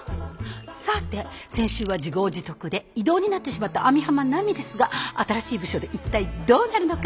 さて先週は自業自得で異動になってしまった網浜奈美ですが新しい部署で一体どうなるのか？